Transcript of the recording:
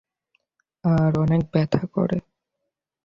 আর অনেক ব্যথা করে।